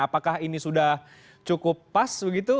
apakah ini sudah cukup pas begitu